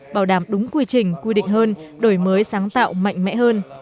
bảo đảm đúng quy trình quy định hơn đổi mới sáng tạo mạnh mẽ hơn